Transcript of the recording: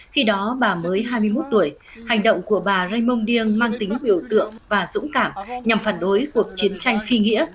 khi đó bà mới hai mươi một tuổi hành động của bà raymond dieng mang tính biểu tượng và dũng cảm nhằm phản đối cuộc chiến tranh phi nghĩa